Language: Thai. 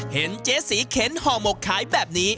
เห็นเจ๊สีเข็นห่อหมกขายแบบนี้